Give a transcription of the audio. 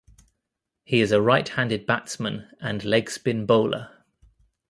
He is a right-handed batsman and leg spin bowler.